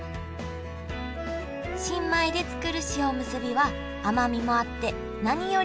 新米で作る塩おむすびは甘みもあって何よりのごちそう